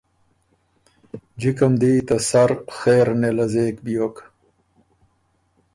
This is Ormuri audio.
جکه م دې ته سر خېر نېله زېک بیوک۔